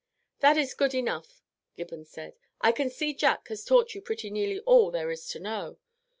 "That is good enough," Gibbons said; "I can see Jack has taught you pretty nearly all there is to know.